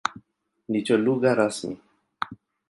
Ndicho lugha rasmi.